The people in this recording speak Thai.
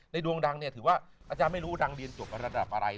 ดวงดังเนี่ยถือว่าอาจารย์ไม่รู้ดังเรียนจบระดับอะไร